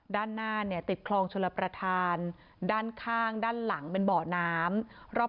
ด้านหน้าเนี่ยติดคลองชลประธานด้านข้างด้านหลังเป็นเบาะน้ำรอบ